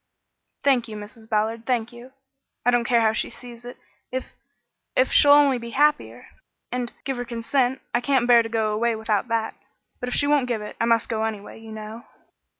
"Thank you, Mrs. Ballard, thank you. I don't care how she sees it, if if she'll only be happier and give her consent. I can't bear to go away without that; but if she won't give it, I must go anyway, you know."